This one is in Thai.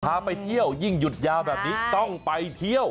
พาไปเที่ยวยิ่งหยุดยาวแบบนี้ต้องไปเที่ยว